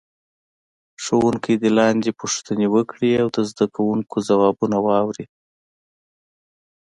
ښوونکی دې لاندې پوښتنه وکړي او د زده کوونکو ځوابونه واوري.